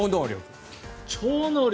超能力。